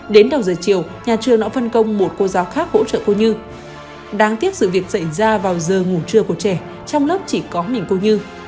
đến đầu giờ chiều nhà trường đã phân công một cô giáo khác hỗ trợ cô như đáng tiếc sự việc xảy ra vào giờ ngủ trưa của trẻ trong lớp chỉ có mình cô như